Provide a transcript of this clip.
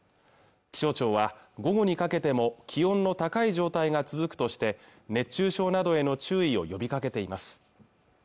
気象庁は午後にかけても気温の高い状態が続くとして熱中症などへの注意を呼びかけています